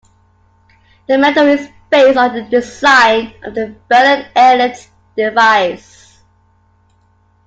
The medal is based on the design of the Berlin Airlift Device.